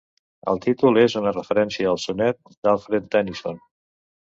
El títol és una referència al sonet d'Alfred Tennyson.